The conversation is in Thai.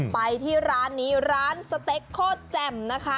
ไปที่ร้านนี้ร้านสเต็กโคตรแจ่มนะคะ